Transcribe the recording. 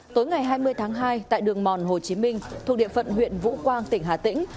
tối ngày hai mươi tháng hai tại đường mòn hồ chí minh thuộc địa phận huyện vũ quang tỉnh hà tĩnh